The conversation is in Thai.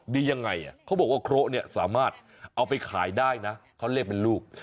ดียังไงเขาบอกว่าเคราะห์เนี่ยสามารถเอาไปขายได้นะเขาเรียกเป็นลูก